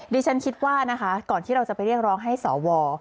ดิฉันคิดว่านะคะก่อนที่เราจะไปเรียกร้องให้สว